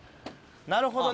なるほどね。